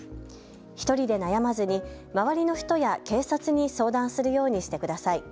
１人で悩まずに周りの人や警察に相談するようにしてください。